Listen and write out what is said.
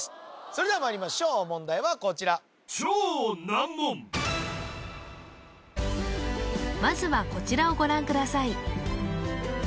それではまいりましょう問題はこちらまずはこちらをご覧ください